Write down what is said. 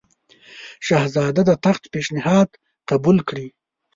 شهزاده د تخت پېشنهاد قبول کړي.